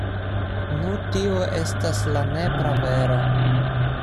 Nu tio estas la nepra vero.